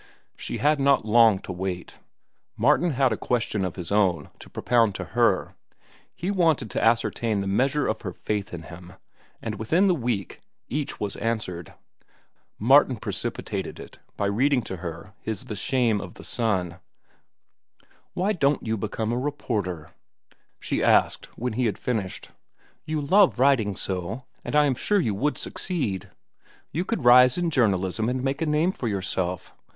She had not long to wait. Martin had a question of his own to propound to her. He wanted to ascertain the measure of her faith in him, and within the week each was answered. Martin precipitated it by reading to her his "The Shame of the Sun." "Why don't you become a reporter?" she asked when he had finished. "You love writing so, and I am sure you would succeed. You could rise in journalism and make a name for yourself.